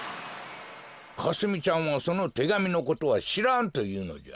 かすみちゃんはそのてがみのことはしらんというのじゃ。